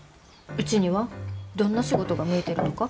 うちにはどんな仕事が向いてるのか。